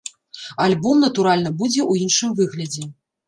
Альбом, натуральна, будзе ў іншым выглядзе.